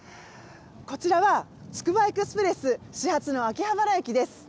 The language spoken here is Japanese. こちらはつくばエクスプレス始発の秋葉原駅です。